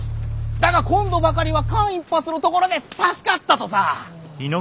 だが今度ばかりは間一髪のところで助かったとさ。